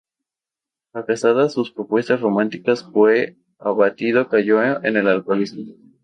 Fracasadas sus propuestas románticas, Poe, abatido, cayó en el alcoholismo.